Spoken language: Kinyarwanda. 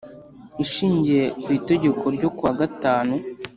ishingiye ku itegeko ryo kuwa gatanu